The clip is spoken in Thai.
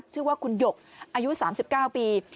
ชื่อว่าคุณหยกอายุ๓๙ปี